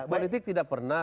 politik itu tidak pernah